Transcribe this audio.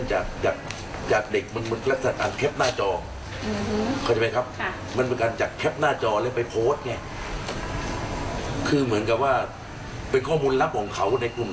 จากข้อมูลของรองพอก็คือว่าเสื้อช่างมันก็เหมือนกันหมดอย่างนี้